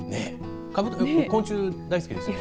昆虫、大好きですよね。